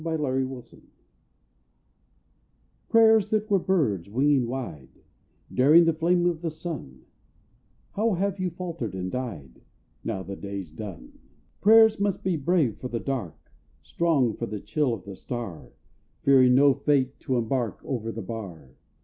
XXV Prayers Prayers that were birds winging wide, Daring the flame of the sun, How have you faltered and died, Now the day's done! Prayers must be brave for the dark, Strong for the chill of the star, Fearing no fate to embark Over the bar.